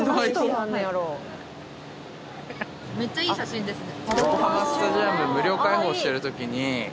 はいめっちゃいい写真ですね